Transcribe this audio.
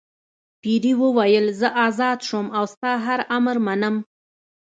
پیري وویل زه آزاد شوم او ستا هر امر منم.